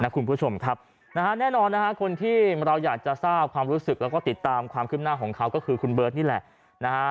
คุณผู้ชมคนที่เราอยากทราบความรู้สึกและติดตามความขึ้นหน้าของเขาคือคุณเบิร์ตนี่แหละ